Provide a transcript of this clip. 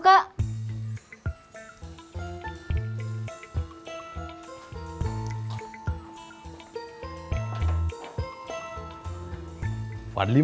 kok bingung gak dijebankin kesehatan declined